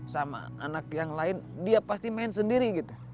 sama anak yang lain dia pasti main sendiri gitu